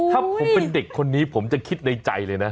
ถ้าผมเป็นเด็กคนนี้ผมจะคิดในใจเลยนะ